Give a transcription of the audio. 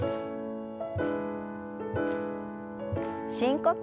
深呼吸。